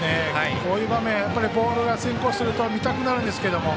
こういう場面、ボールが先行すると見たくなるんですけど。